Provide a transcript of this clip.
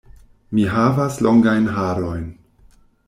Mi havas longajn harojn.